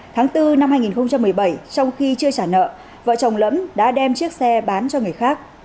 tháng bốn năm hai nghìn một mươi bảy trong khi chưa trả nợ vợ chồng lẫm đã đem chiếc xe bán cho người khác